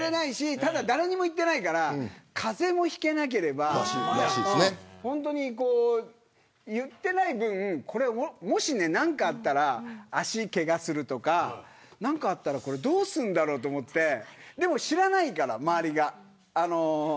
ただ、誰にも言ってないから風邪もひけなければ言ってない分、何かあったら足をけがするとか何かあったらどうするんだろうと思ってでも知らないから、周りが。